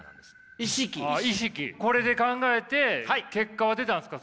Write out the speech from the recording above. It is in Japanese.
これで考えて結果は出たんですか？